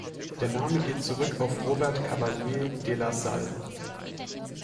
Der Name geht zurück auf Robert Cavelier de La Salle.